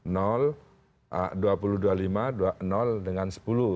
nol dua puluh dua puluh lima dengan sepuluh